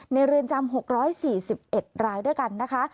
เรือนจำ๖๔๑รายด้วยกันนะคะ